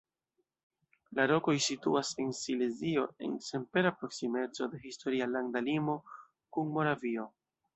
La rokoj situas en Silezio en senpera proksimeco de historia landa limo kun Moravio.